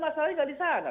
masalahnya enggak di sana